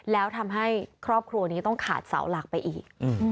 แล้วทำให้ครอบครัวนี้ต้องขาดเสาหลักไปอีก